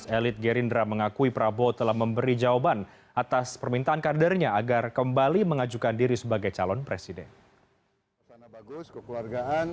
elit gerindra mengakui prabowo telah memberi jawaban atas permintaan kadernya agar kembali mengajukan diri sebagai calon presiden